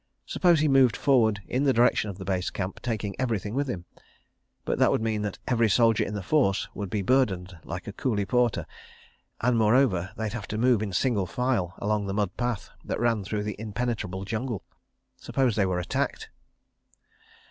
Suppose he moved forward in the direction of the Base Camp, taking everything with him? But that would mean that every soldier in the force would be burdened like a coolie porter—and, moreover, they'd have to move in single file along the mud path that ran through the impenetrable jungle. Suppose they were attacked?